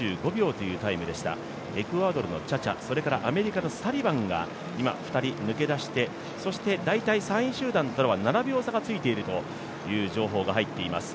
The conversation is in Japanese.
エクアドルのチャチャ、それからアメリカのサリバンが２人、抜け出してそして大体３位集団とは７秒差がついているという情報が入っています。